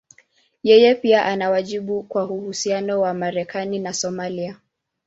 Yeye pia ana wajibu kwa uhusiano wa Marekani na Somalia.